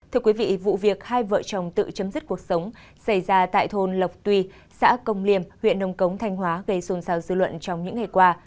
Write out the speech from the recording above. thưa quý vị vụ việc hai vợ chồng tự chấm dứt cuộc sống xảy ra tại thôn lộc tuy xã công liềm huyện nông cống thanh hóa gây xôn xao dư luận trong những ngày qua